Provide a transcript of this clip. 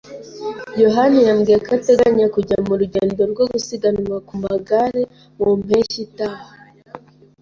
yohani yambwiye ko ateganya kujya mu rugendo rwo gusiganwa ku magare mu mpeshyi itaha.